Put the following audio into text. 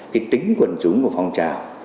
cái tính quân chúng của phong trào